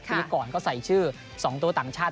ปีก่อนก็ใส่ชื่อ๒ตัวต่างชาติ